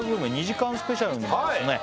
２時間スペシャルのですね